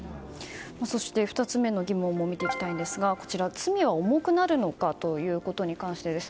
そして、２つ目の疑問も見ていきますが罪は重くなるのか？ということに関してです。